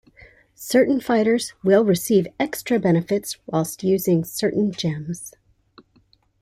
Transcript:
Certain fighters will receive extra benefits whilst using certain gems.